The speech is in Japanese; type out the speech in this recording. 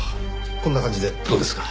こんな感じでどうですか？